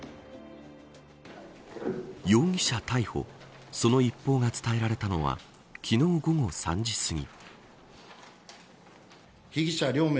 容疑者逮捕、その一報が伝えられたのは昨日午後３時すぎ。